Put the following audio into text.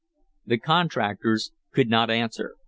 The contractors could not answer.